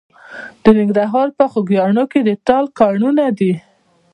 د ننګرهار په خوږیاڼیو کې د تالک کانونه دي.